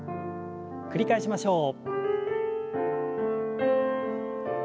繰り返しましょう。